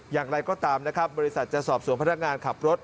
อย่างไรก็ตามนะครับบริษัทจะสอบสวนพนักงานขับรถ